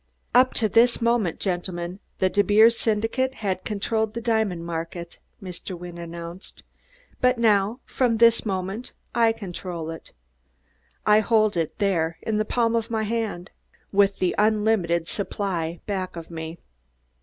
"Up to this moment, gentlemen, the De Beers Syndicate has controlled the diamond market," Mr. Wynne announced, "but now, from this moment, I control it. I hold it there, in the palm of my hand, with the unlimited supply back of me.